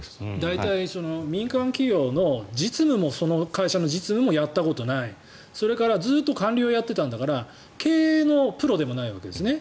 大体、民間企業の実務もその会社の実務もやったことがないそれからずっと官僚をやっていたんだから経営のプロでもないわけですね。